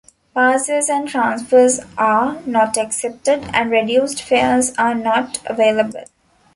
Passes and transfers are not accepted, and reduced fares are not available.